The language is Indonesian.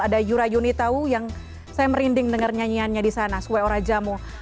ada yura yunitau yang saya merinding dengar nyanyiannya di sana sueo rajamo